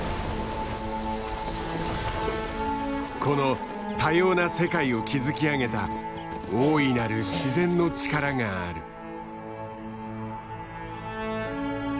この多様な世界を築き上げた大いなる自然の力がある。